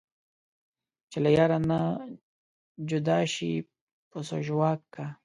چې له یاره نه جدا شي پسو ژواک کا